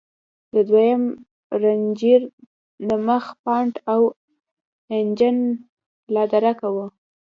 د دويم رېنجر د مخ بانټ او انجن لادرکه و.